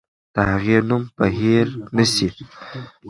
د هغې نوم به هېر نه سي.